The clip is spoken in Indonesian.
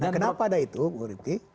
kenapa ada itu bu riti